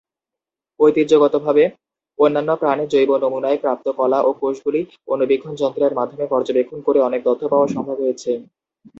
ঐতিহ্যগতভাবে অন্যান্য প্রাণীর জৈব নমুনায় প্রাপ্ত কলা ও কোষগুলি অণুবীক্ষণ যন্ত্রের মাধ্যমে পর্যবেক্ষণ করে অনেক তথ্য পাওয়া সম্ভব হয়েছে।